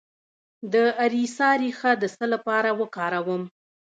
د اریسا ریښه د څه لپاره وکاروم؟